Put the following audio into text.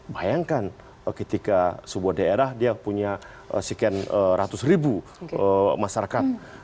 bayangkan ketika sebuah daerah dia punya sekian ratus ribu masyarakat